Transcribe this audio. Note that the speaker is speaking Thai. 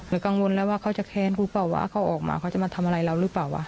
กังวลแล้วว่าเขาจะแค้นกูเปล่าว่าเขาออกมาเขาจะมาทำอะไรเราหรือเปล่า